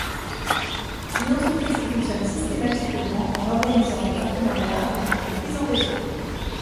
Une entreprise qui fonctionne systématiquement en organisant des partenariats est une entreprise en réseau.